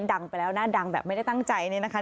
ดังไปแล้วนะดังแบบไม่ได้ตั้งใจเนี่ยนะคะ